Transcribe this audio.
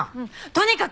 とにかく！